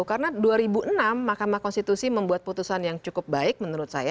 karena dua ribu enam makam konstitusi membuat putusan yang cukup baik menurut saya